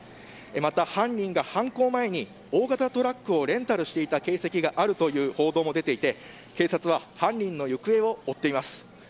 また犯人が犯行前に大型トラックをレンタルしていた形跡があるという報道も出ていて警察は犯人の行方を追っています。